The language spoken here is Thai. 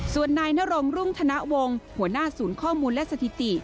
ส่วนนายนรงรุ่งธนวงศ์หัวหน้าศูนย์ข้อมูลและสถิติ